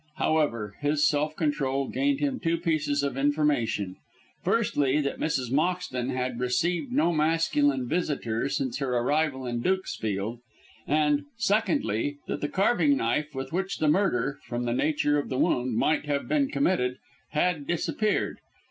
However, his self control gained him two pieces of information; firstly, that Mrs. Moxton had received no masculine visitor since her arrival in Dukesfield, and, secondly, that the carving knife with which the murder from the nature of the wound might have been committed, had disappeared.